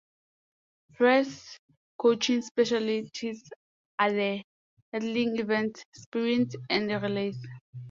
Fry's coaching specialties are the hurdling events, sprints, and relays.